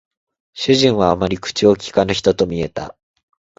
主人はあまり口を聞かぬ人と見えた